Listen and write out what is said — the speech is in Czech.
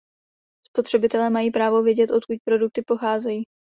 Spotřebitelé mají právo vědět, odkud produkty pocházejí.